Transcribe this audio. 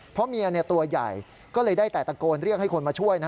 เพราะเมียตัวใหญ่ก็เลยได้แต่ตะโกนเรียกให้คนมาช่วย